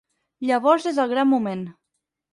Llavors és el gran moment.